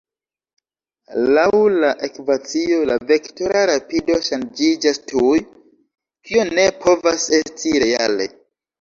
Laŭ la ekvacio, la vektora rapido ŝanĝiĝas tuj, kio ne povas esti reale.